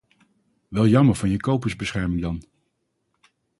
Wel jammer van je kopersbescherming dan.